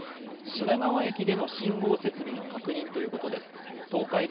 品川駅での信号設備の確認ということです。